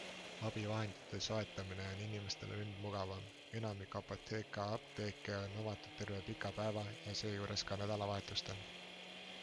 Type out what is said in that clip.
Abivahendite soetamine on inimestele nüüd mugavam - enamik Apotheka apteeke on avatud terve pika päeva ja seejuures ka nädalavahetustel.